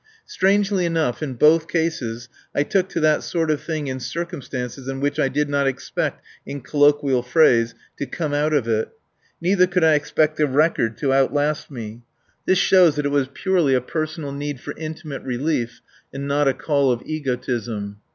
Strangely enough, in both cases I took to that sort of thing in circumstances in which I did not expect, in colloquial phrase, "to come out of it." Neither could I expect the record to outlast me. This shows that it was purely a personal need for intimate relief and not a call of egotism.